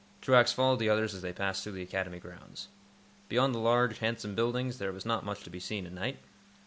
Truax followed the others as they passed through the Academy grounds. Beyond the large, handsome buildings, there was not much to be seen at night.